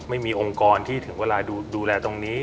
ไม่มีองค์กรที่ถึงเวลาดูแลตรงนี้